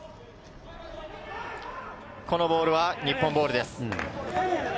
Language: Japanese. このボールは日本ボールです。